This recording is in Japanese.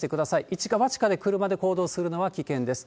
一か八かで車で行動するのは危険です。